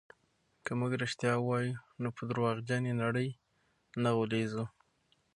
که موږ رښتیا ووایو نو په درواغجنې نړۍ نه غولېږو.